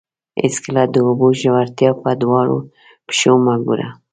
هېڅکله د اوبو ژورتیا په دواړو پښو مه ګوره.